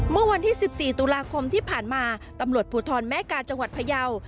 เมื่อวันที่๑๔ตุลาคมที่ผ่านมาตำรวจภูทรแม่กาจังหวัดพยาว